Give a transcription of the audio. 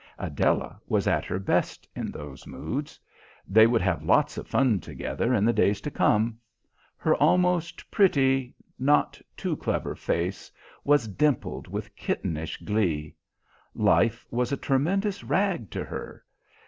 Adela was at her best in those moods. They would have lots of fun together in the days to come. Her almost pretty, not too clever face was dimpled with kittenish glee. Life was a tremendous rag to her.